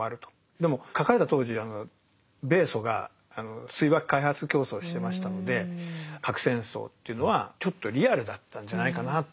でも書かれた当時米ソが水爆開発競争をしてましたので核戦争というのはちょっとリアルだったんじゃないかな。